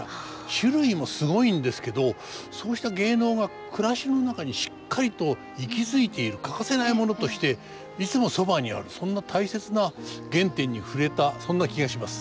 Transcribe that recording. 種類もすごいんですけどそうした芸能が暮らしの中にしっかりと息づいている欠かせないものとしていつもそばにあるそんな大切な原点に触れたそんな気がします。